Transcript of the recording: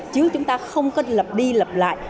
chứ chúng ta không có lập đi lập lại